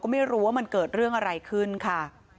ไม่รู้ว่ามันเกิดเรื่องอะไรขึ้นค่ะ